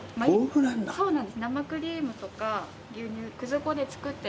そうなんです。